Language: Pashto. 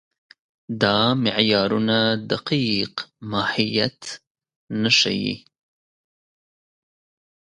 دا معیارونه دقیق ماهیت نه ښيي.